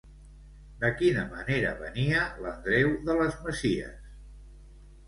De quina manera venia l'Andreu de les masies?